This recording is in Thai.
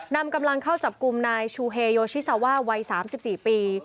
นำกำลังเข้าจับกลุ่มนายชูเฮโยชิซาว่าวัย๓๔ปี